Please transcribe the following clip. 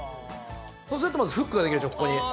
そうすると、まずフックができるでしょ、ここに。